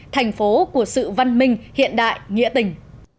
thành phố của sự văn minh hiện đại nghĩa tình